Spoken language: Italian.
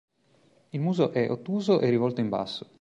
Il muso è ottuso e rivolto in basso.